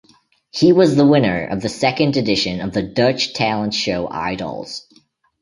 He was the winner of the second edition of the Dutch talent show Idols.